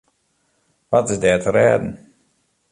Wat is der te rêden?